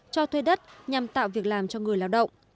cho thuê đất nhằm tạo việc làm cho người lao động